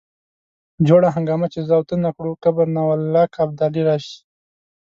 جوړه هنګامه چې زه او ته نه کړو قبر نه والله که ابدالي راشي.